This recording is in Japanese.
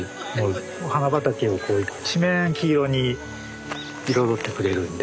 お花畑をこう一面黄色に彩ってくれるんで。